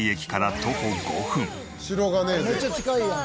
めっちゃ近いやん。